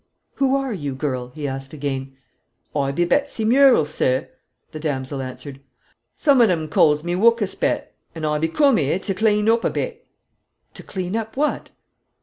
"Who are you, girl?" he asked again. "Oi be Betsy Murrel, sir," the damsel answered; "some on 'em calls me 'Wuk us Bet;' and I be coom here to cle an oop a bit." "To clean up what?"